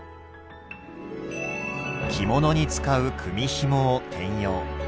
着物に使う組みひもを転用。